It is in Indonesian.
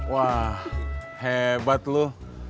wah hebat lo